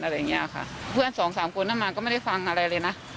อะไรอย่างเงี้ยค่ะเพื่อนสองสามคนน่ะมาก็ไม่ได้ฟังอะไรเลยนะ